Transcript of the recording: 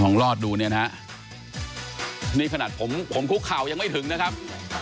น้องรอดดูเนี้ยน่ะนี่ขณะผมผมคูกเขาอย่างไม่ถึงนะครับ